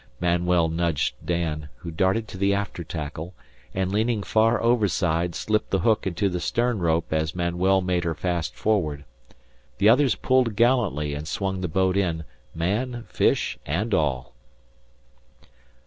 Manuel nudged Dan, who darted to the after tackle, and, leaning far overside, slipped the hook into the stern rope as Manuel made her fast forward. The others pulled gallantly and swung the boat in man, fish, and all.